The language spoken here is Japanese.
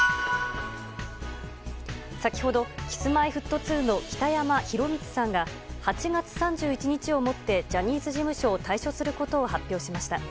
先ほど、Ｋｉｓ‐Ｍｙ‐Ｆｔ２の北山宏光さんが８月３１日をもってジャニーズ事務所を退所することを発表しました。